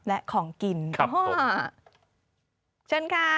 และของกินครับผมเชิญค่ะ